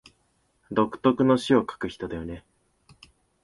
独特の詩を書く人だよね